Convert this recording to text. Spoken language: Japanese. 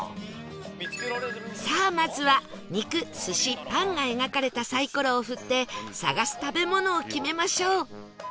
さあまずは肉寿司パンが描かれたサイコロを振って探す食べ物を決めましょう